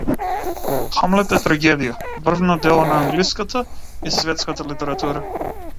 „Хамлет“ е трагедија, врвно дело на англиската и светската литература.